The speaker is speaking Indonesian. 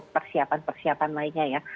persiapan persiapan lainnya ya